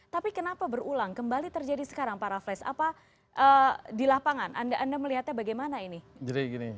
tapi kenapa berulang kembali terjadi sekarang pak rafles apa di lapangan anda melihatnya bagaimana ini